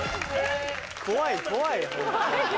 怖い怖い。